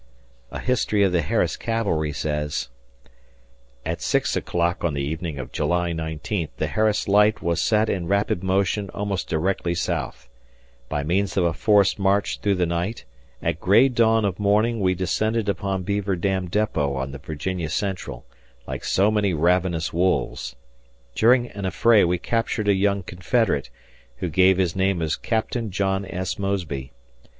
A history of the Harris Cavalry says: At six o'clock on the evening of July 19th the Harris Light was set in rapid motion almost directly south. By means of a forced march through the night, at gray dawn of morning we descended upon Beaver Dam depot on the Virginia Central, like so many ravenous wolves. During an affray we captured a young Confederate, who gave his name as Captain John S. Mosby.